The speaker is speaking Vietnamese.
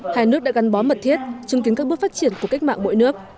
hai nước đã gắn bó mật thiết chứng kiến các bước phát triển của cách mạng mỗi nước